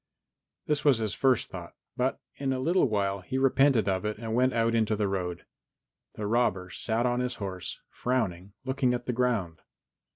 This was his first thought, but in a little while he repented of it and went out in the road. The robber sat on his horse, frowning and looking at the ground.